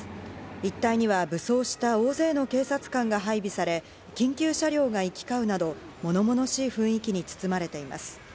一帯には武装した大勢の警察官が配備され、緊急車両が行き交うなど、物々しい雰囲気に包まれています。